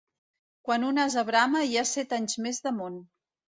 Quan un ase brama hi ha set anys més de món.